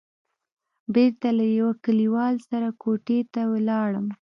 بېرته له يوه کليوال سره کوټې ته ولاړم.